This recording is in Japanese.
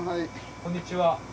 こんにちは。